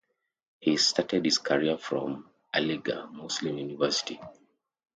He started his career from Aligarh Muslim University.